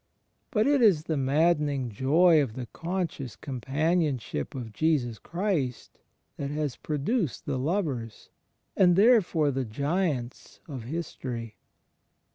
But it is the maddening joy of the conscious companionship of Jesus Christ that has produced the lovers, and therefore the giants, of history.